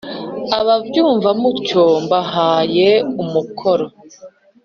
.Ababyumva mutyo mbahaye umukoro